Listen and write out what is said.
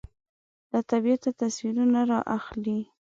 له طبیعته تصویرونه رااخلي